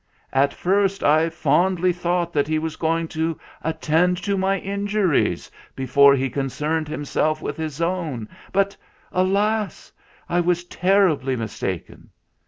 At first I fondly thought that he was go ing to attend to my injuries before he concerned himself with his own ; but, alas ! I was terribly mistaken.